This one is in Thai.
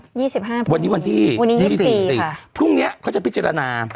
๒๕พรุ่งนี้วันนี้วันที่วันนี้๒๔ค่ะพรุ่งนี้เขาจะพิจารณา